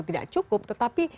tidak cukup tetapi